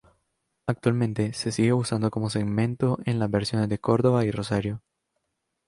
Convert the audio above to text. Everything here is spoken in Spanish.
Actualmente se sigue usando como segmento en las versiones de Córdoba y Rosario.